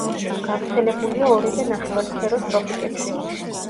გავრცელებულია ორივე ნახევარსფეროს ტროპიკებში.